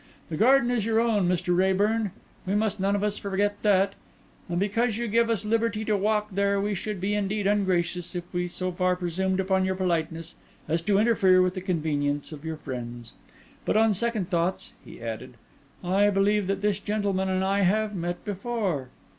The garden is your own, Mr. Raeburn; we must none of us forget that; and because you give us liberty to walk there we should be indeed ungracious if we so far presumed upon your politeness as to interfere with the convenience of your friends. But, on second thoughts," he added, "I believe that this gentleman and I have met before.